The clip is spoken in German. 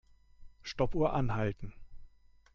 Stoppuhr anhalten.